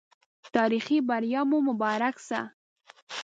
تاريخي بریا مو مبارک سه